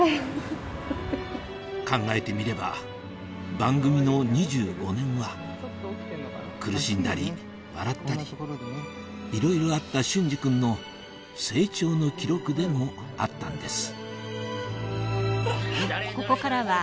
考えてみれば番組の２５年は苦しんだり笑ったりいろいろあった隼司君の成長の記録でもあったんです